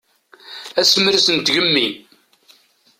Asemres n tgemmi.